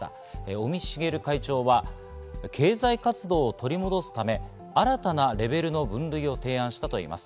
尾身茂会長は経済活動を取り戻すため、新たなレベルの分類を提案したといいます。